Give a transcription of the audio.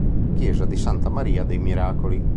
Chiesa di Santa Maria dei Miracoli